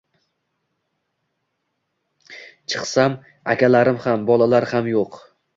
Chiqsam, akalarim ham, bolalar ham yo‘q.